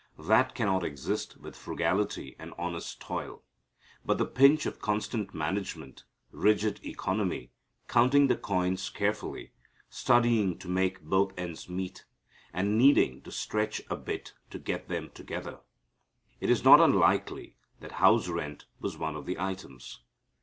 That cannot exist with frugality and honest toil. But the pinch of constant management, rigid economy, counting the coins carefully, studying to make both ends meet, and needing to stretch a bit to get them together. It is not unlikely that house rent was one of the items.